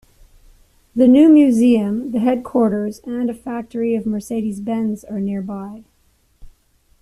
The new museum, the headquarters and a factory of Mercedes-Benz are nearby.